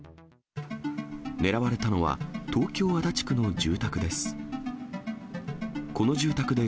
狙われたのは、東京・足立区の住宅です。